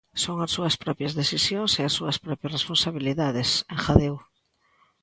Son as súas propias decisións e as súas propias responsabilidades, engadiu.